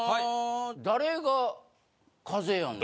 「誰が風やねん！」。